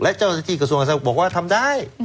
และเจ้าหน้าที่กระทรวงบอกว่าทำได้